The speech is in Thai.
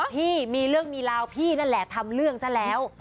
พี่มีเรื่องมีราวพี่นั่นแหละทำเรื่องซะแล้ว